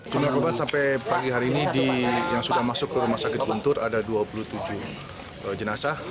jumlah korban sampai pagi hari ini yang sudah masuk ke rumah sakit guntur ada dua puluh tujuh jenazah